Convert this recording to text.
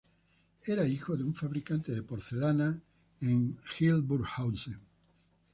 Era hijo de un fabricante de porcelana en Hildburghausen.